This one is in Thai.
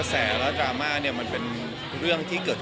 คุณแม่น้องให้โอกาสดาราคนในผมไปเจอคุณแม่น้องให้โอกาสดาราคนในผมไปเจอ